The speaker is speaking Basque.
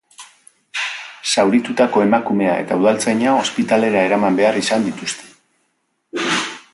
Zauritutako emakumea eta udaltzaina ospitalera eraman behar izan dituzte.